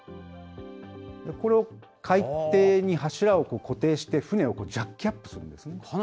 これを海底に柱を固定して船をジャッキアップするんですね。